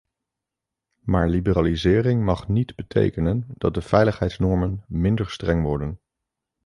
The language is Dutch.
Maar liberalisering mag niet betekenen dat de veiligheidsnormen minder streng worden.